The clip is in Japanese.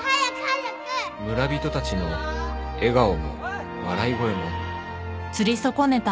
村人たちの笑顔も笑い声も